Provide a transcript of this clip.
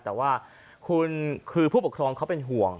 แต่ว่าคุณคือผู้ปกครองเขาเป็นห่วง